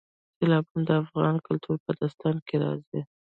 سیلابونه د افغان کلتور په داستانونو کې راځي.